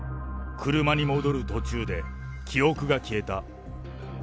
車に戻る途中で、記憶が消えた。